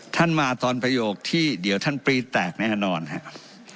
ท่านมาตอนประโยคที่เดี๋ยวท่านปรีแตกแน่นอนครับ